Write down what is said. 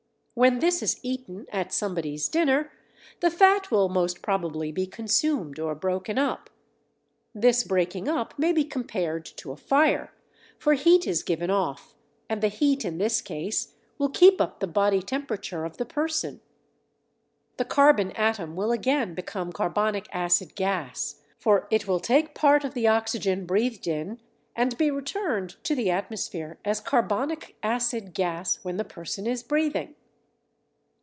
When this is eaten at somebody's dinner, the fat will most probably be consumed or broken up; this breaking up may be compared to a fire, for heat is given off, and the heat in this case will keep up the body temperature of the person. The carbon atom will again become carbonic acid gas, for it will take part of the oxygen breathed in, and be returned to the atmosphere as carbonic acid gas when the person is breathing.